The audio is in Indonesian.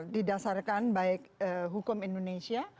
didasarkan baik hukum indonesia